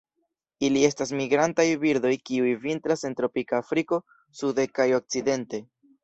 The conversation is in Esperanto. Ili estas migrantaj birdoj kiuj vintras en tropika Afriko sude kaj okcidente.